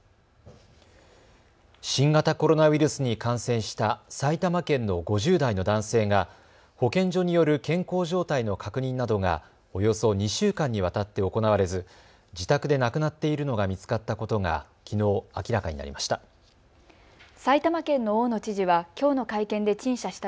新型コロナウイルスに感染した埼玉県の５０代の男性が保健所による健康状態の確認などがおよそ２週間にわたって行われず自宅で亡くなっているのが見つかったことが、きのう明らかになりました。